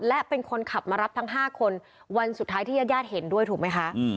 และเป็นคนขับมารับทั้ง๕คนวันสุดท้ายที่ญาติญาติเห็นด้วยถูกไหมคะ